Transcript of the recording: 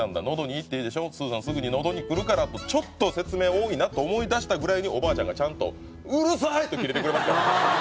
「喉にいいっていうでしょ鈴さんすぐ喉にくるから」とちょっと説明多いなと思いだしたぐらいにおばあちゃんがちゃんと「うるさいっ」とキレてくれました。